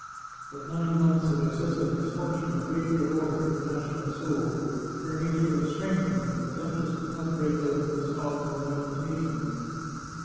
But nine months of excessive misfortune had greatly altered her pas sionate soul ; her nature was strengthened, and the duchess did not break out into sobs or lamentations.